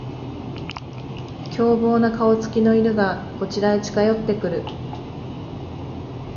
凶暴な顔つきの犬がこちらへ近寄ってくる